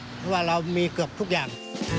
เพราะว่าเรามีเกือบทุกอย่าง